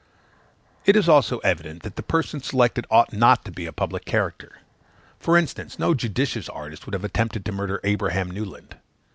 It is also evident that the person selected ought not to be a public character. For instance, no judicious artist would have attempted to murder Abraham Newland.